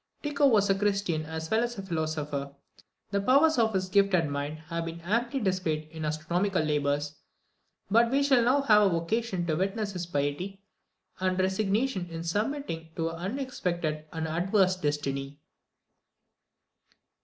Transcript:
Tycho was a christian as well as a philosopher. The powers of his gifted mind have been amply displayed in his astronomical labours; but we shall now have occasion to witness his piety and resignation in submitting to an unexpected and an adverse destiny.